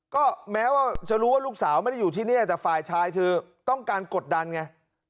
ก็แม้ว่าจะรู้ว่าลูกสาวไม่ได้อยู่ที่นี่แต่ฝ่ายชายคือต้องการกดดันไง